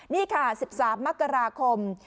นี่ค่ะ๑๓มกราคม